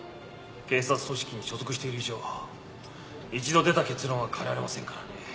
警察組織に所属している以上一度出た結論は変えられませんからねえ。